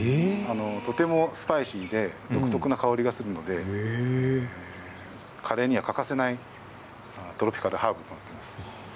とてもスパイシーで独特な香りがするのでカレーには欠かせないトロピカルハーブです。